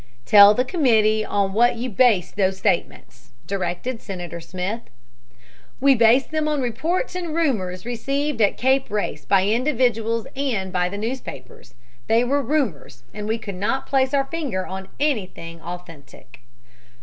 "Tell the committee on what you based those statements," directed Senator Smith. "We based them on reports and rumors received at Cape Race by individuals and by the newspapers. They were rumors, and we could not place our finger on anything authentic."